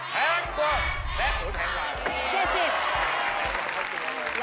แพงกว่า